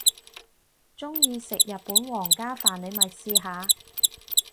鍾意食日本皇家飯你咪試下